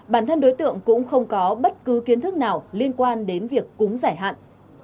bản thân đối tượng cũng không có bất cứ kiến thức nào liên quan đến việc cúng giải hạn